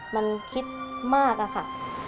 มันคิดมากอะค่ะ